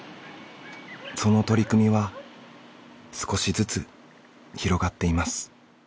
その取り組みは少しずつ広がっています。